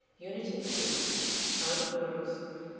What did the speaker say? Unity Feast, Outdoors.